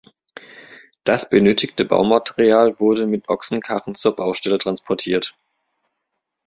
Das benötigte Baumaterial wurde mit Ochsenkarren zur Baustelle transportiert.